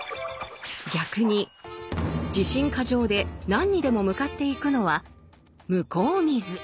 逆に自信過剰で何にでも向かっていくのは「向こう見ず」。